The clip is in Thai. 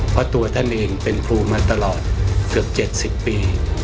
เพราะตัวท่านเองเป็นครูมาตลอดเกือบ๗๐ปี